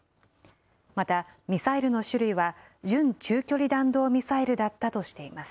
また、ミサイルの種類は準中距離弾道ミサイルだったとしています。